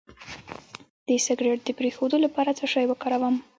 د سګرټ د پرېښودو لپاره څه شی وکاروم؟